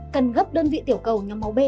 cần gấp đơn vị tiểu cầu nhóm máu b